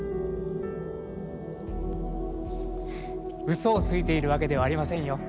嘘をついているわけではありませんよ。